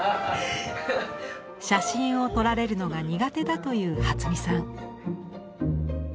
写真を撮られるのが苦手だという初美さん。